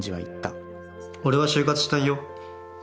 俺は就活しないよ。